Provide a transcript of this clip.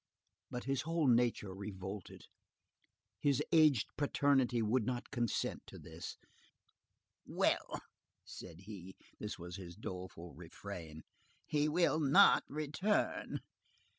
But his whole nature revolted; his aged paternity would not consent to this. "Well!" said he,—this was his doleful refrain,—"he will not return!"